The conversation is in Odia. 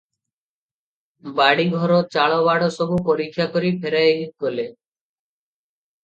ବାଡ଼ିଘର ଚାଳବାଡ଼ ସବୁ ପରୀକ୍ଷା କରି ଫେରିଗଲେ ।